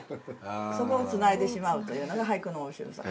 そこをつないでしまうというのが俳句の面白さ。